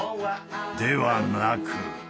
ではなく。